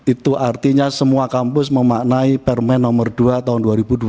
itu artinya semua kampus memaknai permen nomor dua tahun dua ribu dua puluh